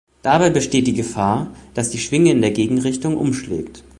Dabei besteht die Gefahr, dass die Schwinge in die Gegenrichtung umschlägt.